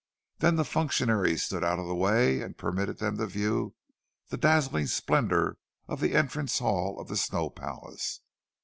Then the functionaries stood out of the way and permitted them to view the dazzling splendour of the entrance hall of the Snow Palace.